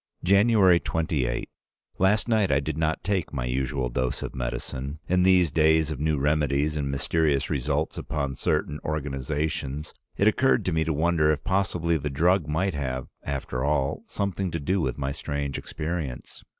"January 28. Last night I did not take my usual dose of medicine. In these days of new remedies and mysterious results upon certain organizations, it occurred to me to wonder if possibly the drug might have, after all, something to do with my strange experience.